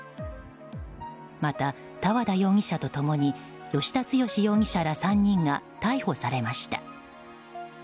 また、多和田容疑者と共に吉田毅容疑者ら３人が逮捕されました。